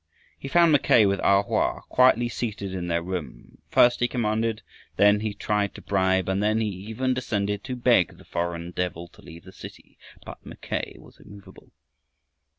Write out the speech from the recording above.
He found Mackay with A Hoa, quietly seated in their room. First he commanded, then he tried to bribe, and then he even descended to beg the "foreign devil" to leave the city. But Mackay was immovable.